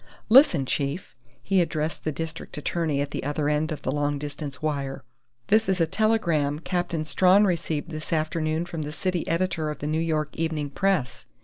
Listen, chief!" he addressed the district attorney at the other end of the long distance wire. "This is a telegram Captain Strawn received this afternoon from the city editor of The New York Evening Press....